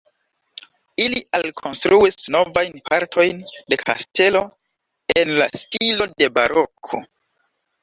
Ili alkonstruis novajn partojn de kastelo en la stilo de baroko.